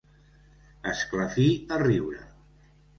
Esclafir a riure.